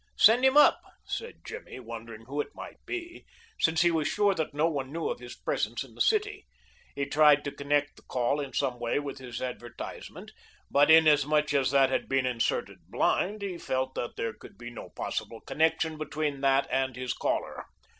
"Send him up," said Jimmy, wondering who it might be, since he was sure that no one knew of his presence in the city. He tried to connect the call in some way with his advertisement, but inasmuch as that had been inserted blind he felt that there could be no possible connection between that and his caller.